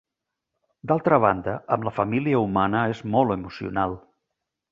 D'altra banda, amb la família humana és molt emocional.